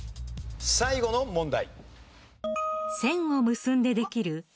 最後の問題。